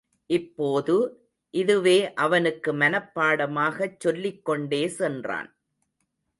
இப்போது, இதுவே அவனுக்கு மனப்பாடமாகச் சொல்லிக்கொண்டே சென்றான்.